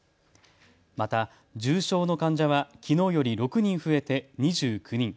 また重症の患者はきのうより６人増えて２９人。